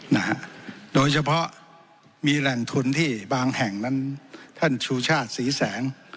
นะฮะโดยเฉพาะมีแหล่งทุนที่บางแห่งนั้นท่านชูชาติศรีแสง